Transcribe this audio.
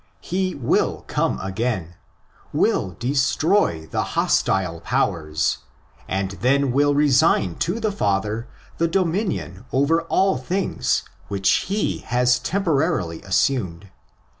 He will come again ; will destroy the hostile powers ; and then will resign to the Father the dominion over all things which he has temporarily assumed.